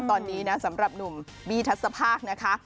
ตอนนี้นะสำหรับหนุ่มบี้ทัศภาคนะคะ